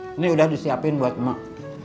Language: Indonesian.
ini udah disiapin buat emak